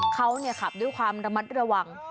เขาขับด้วยความระมัดระวัง